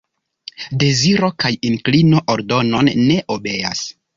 Deziro kaj inklino ordonon ne obeas.